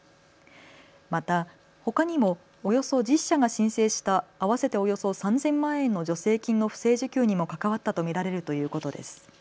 また、ほかにもおよそ１０社が申請した合わせておよそ３０００万円の助成金の不正受給にも関わったと見られるということです。